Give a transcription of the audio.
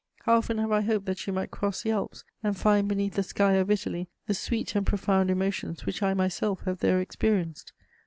How often have I hoped that she might cross the Alps and find beneath the sky of Italy the sweet and profound emotions which I myself have there experienced!